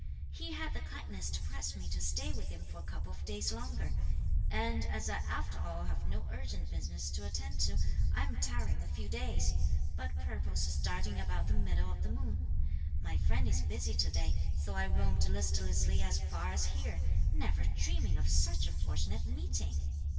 He had the kindness to press me to stay with him for a couple of days longer, and as I after all have no urgent business to attend to, I am tarrying a few days, but purpose starting about the middle of the moon. My friend is busy to day, so I roamed listlessly as far as here, never dreaming of such a fortunate meeting."